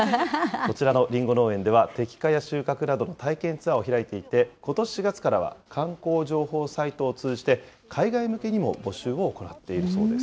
こちらのりんご農園では、摘果や収穫などの体験ツアーを開いていて、ことし４月からは、観光情報サイトを通じて、海外向けにも募集を行っているそうです。